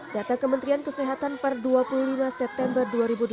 data kementerian kesehatan per dua puluh lima september